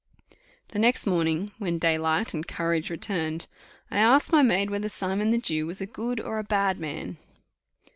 The next morning, when daylight and courage returned, I asked my maid whether Simon the Jew was a good or a bad man?